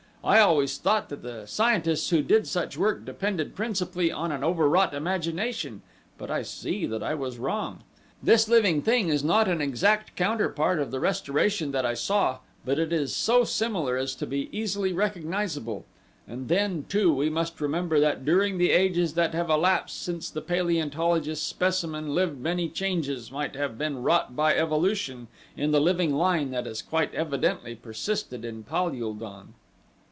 I always thought that the scientists who did such work depended principally upon an overwrought imagination, but I see that I was wrong. This living thing is not an exact counterpart of the restoration that I saw; but it is so similar as to be easily recognizable, and then, too, we must remember that during the ages that have elapsed since the paleontologist's specimen lived many changes might have been wrought by evolution in the living line that has quite evidently persisted in Pal ul don."